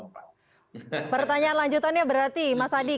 pertanyaan lanjutannya berarti mas adi